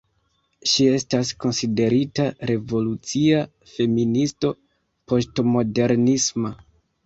Ŝi estas konsiderita revolucia feministo poŝtmodernisma.